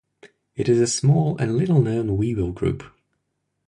It is a small and little-known weevil group.